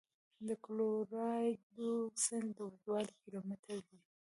د کلورادو سیند اوږدوالی کیلومتره دی.